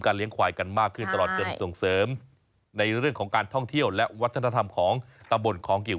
เลี้ยงควายกันมากขึ้นตลอดจนส่งเสริมในเรื่องของการท่องเที่ยวและวัฒนธรรมของตำบลคองกิว